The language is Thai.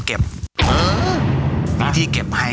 ครับก็จากงานสับปะเหลอโลก